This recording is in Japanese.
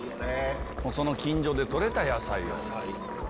その近所で採れた野菜。